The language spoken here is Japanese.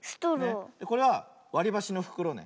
これはわりばしのふくろね。